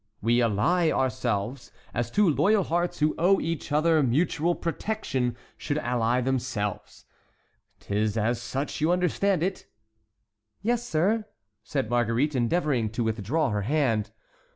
We ally ourselves, as two loyal hearts who owe each other mutual protection should ally themselves; 't is as such you understand it?" "Yes, sir," said Marguerite, endeavoring to withdraw her hand.